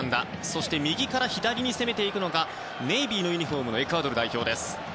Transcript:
そして右から左に攻めていくのがネイビーのユニホームのエクアドル代表です。